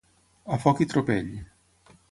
A foc i tropell.